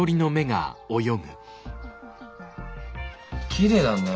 きれいだね。